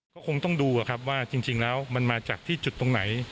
ก็คงต้องดูครับว่าจริงแล้วมันมาจากที่จุดตรงไหน